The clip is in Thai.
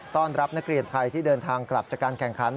ต้อนรับนักเรียนไทยที่เดินทางกลับจากการแข่งขัน